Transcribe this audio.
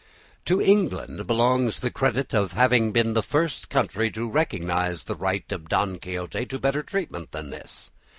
To England belongs the credit of having been the first country to recognise the right of "Don Quixote" to better treatment than this.